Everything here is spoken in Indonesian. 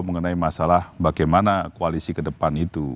mengenai masalah bagaimana koalisi ke depan itu